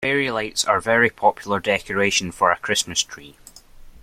Fairy lights are a very popular decoration for a Christmas tree